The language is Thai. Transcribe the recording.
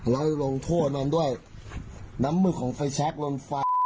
แล้วลงโทษมันด้วยน้ำมือของไฟแชคลนไฟ